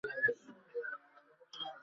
তুমি যা খুশি তা ধরতে পারো।